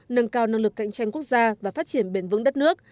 nâng cao năng lực cạnh tranh quốc gia và phát triển bền vững đất nước